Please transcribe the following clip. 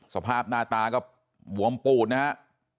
สภาพหน้าตาก็บวมปูดนะฮะ